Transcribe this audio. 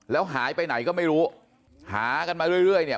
แล้วหายไปไหนก็ไม่รู้หากันมาเรื่อยเนี่ย